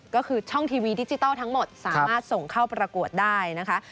ก็คือช่องทีวีดิจิทัลทั้งหมดสามารถส่งเข้าประกวดได้นะคะ